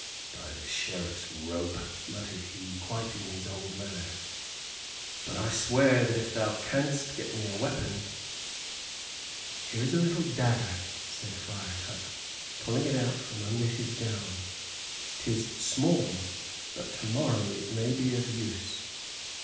"By the Sheriff's rope," muttered he, quite in his old manner, "but I swear that if thou canst get me a weapon " "Here is a little dagger," said Friar Tuck, pulling it out from under his gown. "'Tis small, but to morrow it may be of use.